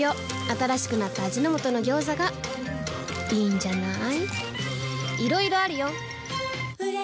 新しくなった味の素の「ギョーザ」がいいんじゃない？